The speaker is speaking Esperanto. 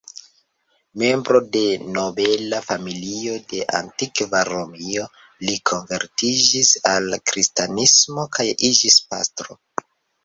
Membro de nobela familio de antikva Romio, li konvertiĝis al kristanismo kaj iĝis pastro.